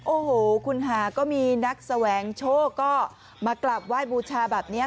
โอ้โหคุณหาก็มีนักแสวงโชคก็มากราบไหว้บูชาแบบนี้